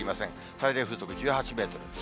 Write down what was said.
最大風速１８メートル。